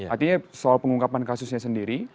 artinya soal pengungkapan kasusnya sendiri